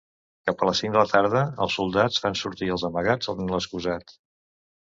Cap a les cinc de la tarda els soldats fan sortir als amagats en l'excusat.